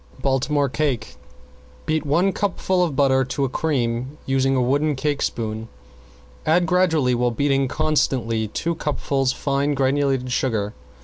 ~BALTIMORE CAKE~ Beat one cupful of butter to a cream, using a wood cake spoon. Add gradually while beating constantly two cupfuls fine granulated sugar.